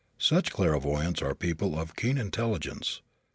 Such clairvoyants are people of keen intelligence.